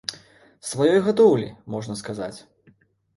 Сваёй гадоўлі, можна сказаць!